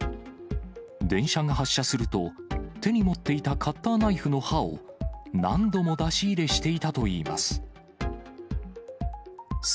電車が発車すると、手に持っていたカッターナイフの刃を何度も出し入れしていたといいます。